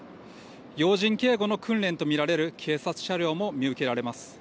要人警護の訓練とみられる警察車両も見受けられます。